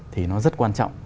thì nó rất quan trọng